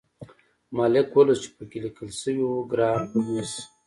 ما لیک ولوست چې پکې لیکل شوي وو ګران هولمز